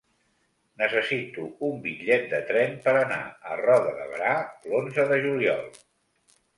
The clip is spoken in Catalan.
Necessito un bitllet de tren per anar a Roda de Berà l'onze de juliol.